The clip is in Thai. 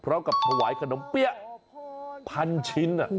เพราบกับถวายขนมเปี้ยะพันชิ้นน่ะ